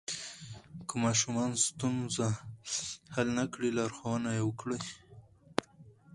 که ماشوم ستونزه حل نه کړي، لارښوونه یې وکړئ.